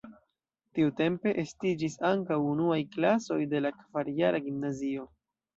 Tiutempe estiĝis ankaŭ unuaj klasoj de la kvarjara gimnazio.